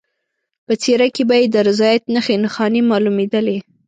په څېره کې به یې د رضایت نښې نښانې معلومېدلې.